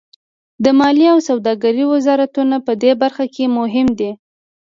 د مالیې او سوداګرۍ وزارتونه پدې برخه کې مهم دي